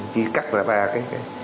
chỉ cắt ra ba cái